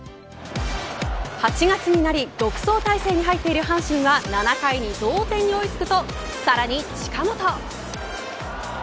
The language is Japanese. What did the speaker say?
８月になり独走態勢に入ってる阪神は７回に同点に追い付くとさらに近本。